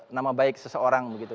nama baik seseorang begitu